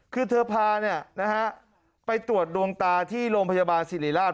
คือเธอพาไปตรวจดวงตาที่โรงพยาบาลสิริราช